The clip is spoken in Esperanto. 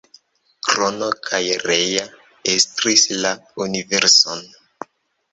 Krono kaj Rea estris la universon.